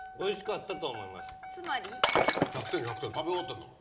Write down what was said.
つまり？１００点食べ終わってんだから。